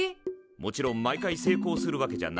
もちろん毎回成功するわけじゃないけど。